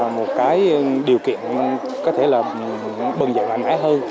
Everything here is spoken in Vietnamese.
một cái điều kiện có thể là bừng dậy mạnh mẽ hơn